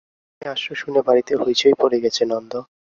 তুমি আসছ শুনে বাড়িতে হৈচৈ পড়ে গেছে নন্দ।